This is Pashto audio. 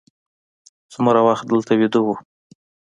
څومره وخت دلته ویده وو.